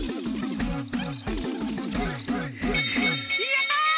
やった！